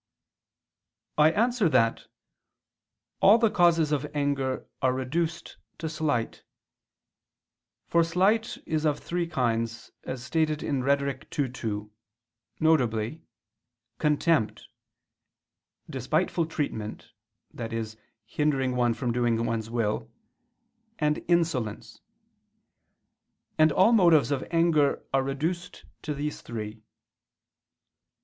I answer that, All the causes of anger are reduced to slight. For slight is of three kinds, as stated in Rhet. ii, 2, viz. "contempt," "despiteful treatment," i.e. hindering one from doing one's will, and "insolence": and all motives of anger are reduced to these three.